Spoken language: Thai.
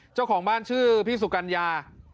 เจ้าของบ้านชื่อพี่สุกัญญา